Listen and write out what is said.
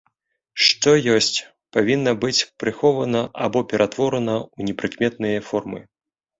Што ёсць, павінна быць прыхована або ператворана ў непрыкметныя формы.